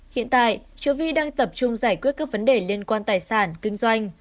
hiện tại châu vi đang tập trung giải quyết các vấn đề liên quan tài sản kinh doanh